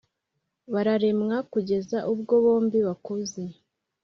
barareranwa, kugeza ubwo bombi bakuze